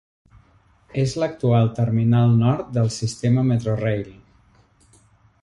És l'actual terminal nord del sistema Metrorail.